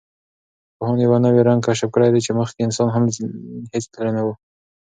پوهانو یوه نوی رنګ کشف کړی دی چې مخکې انسان هېڅ لیدلی نه و.